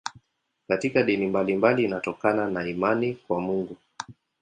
Katika dini mbalimbali inatokana na imani kwa Mungu.